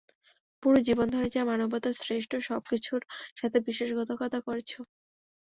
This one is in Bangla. পুরো জীবন ধরে যা মানবতার শ্রেষ্ঠ সব কিছুর সাথে বিশ্বাসঘাতকতা করেছ।